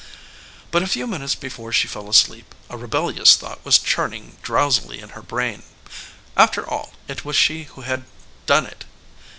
But a few minutes before she fell asleep a rebellious thought was churning drowsily in her brain after all, it was she who had done it.